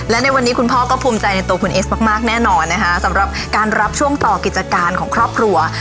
และในวันนี้คุณพ่อก็ภูมิใจในตัวคุณเอสมากแน่นอนนะคะสำหรับการรับช่วงต่อกิจการของครอบครัว